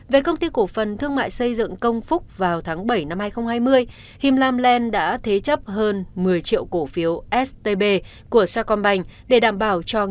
về công ty cổ phần thương mại xây dựng công phúc vào tháng bảy năm hai nghìn hai mươi him lam land đã thế chấp hơn một mươi